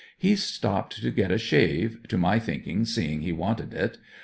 He's stopped to get a shave, to my thinking, seeing he wanted it.